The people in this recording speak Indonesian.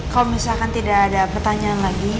kalau misalkan tidak ada pertanyaan lagi